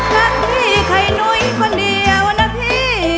กับพี่ไคร้หนุ่ยคนเดียวนะพี่